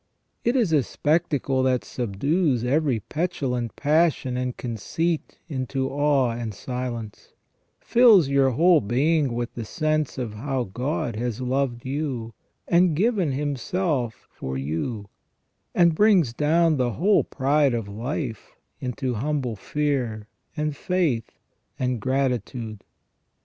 It is a spectacle that subdues every petulant passion and conceit into awe and silence ; fills your whole being with the sense of how God has loved you, and given Himself for you ; and brings down the whole pride of life into humble fear, and faith, and gratitude.